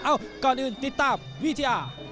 ก่อนอื่นติดตามวิทยา